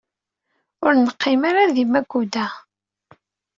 Ur neqqim ara di Makuda.